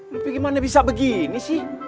tapi gimana bisa begini sih